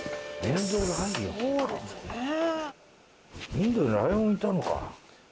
インドにライオンいたのか。